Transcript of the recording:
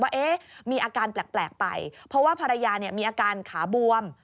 มีอาการแปลกไปเพราะว่าภรรยามีอาการขาบวม